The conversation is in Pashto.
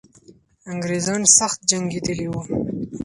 انګریزان سخت جنګېدلي وو.